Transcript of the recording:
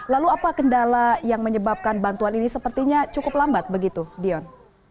lalu apa kendala yang menyebabkan bantuan ini sepertinya cukup lambat begitu dion